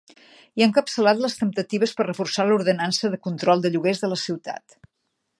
I ha encapçalat les temptatives per reforçar l'ordenança de control de lloguers de la ciutat.